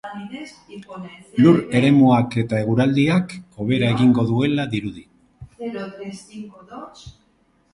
Lur-eremuak eta eguraldiak hobera egingo duela dirudi.